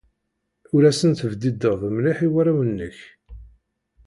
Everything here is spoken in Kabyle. Ur asen-tebdideḍ mliḥ i warraw-nnek.